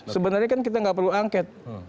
sebenarnya kan kita nggak perlu angket